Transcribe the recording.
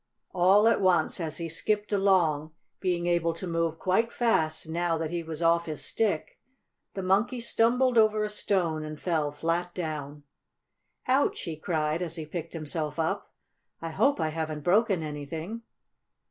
All at once, as he skipped along, being able to move quite fast now that he was off his stick, the Monkey stumbled over a stone and fell flat down. "Ouch!" he cried, as he picked himself up. "I hope I haven't broken anything."